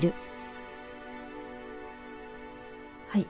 はい。